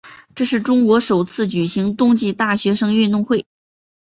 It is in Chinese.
这是中国首次举行冬季大学生运动会。